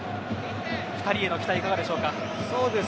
２人への期待いかがでしょうか。